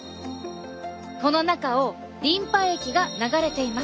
この中をリンパ液が流れています。